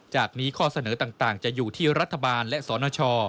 จากนี้ข้อเสนอต่างจะอยู่ที่รัฐบาลและสนช